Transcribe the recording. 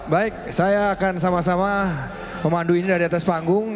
baik saya akan sama sama memandu ini dari atas panggung